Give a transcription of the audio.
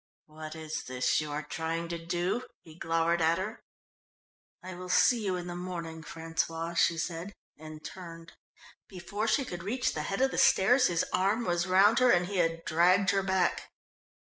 "What is this you are trying to do?" he glowered at her. "I will see you in the morning, François," she said and turned. Before she could reach the head of the stairs his arm was round her and he had dragged her back.